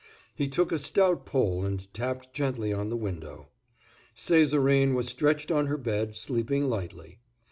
He took a stout pole and tapped gently on the window. Césarine was stretched on her bed, sleeping lightly.